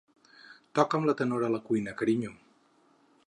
Toca'm la tenora a la cuina, carinyo.